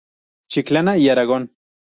Chiclana y Aragón.